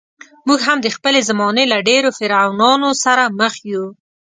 موږ هم د خپلې زمانې له ډېرو فرعونانو سره مخ یو.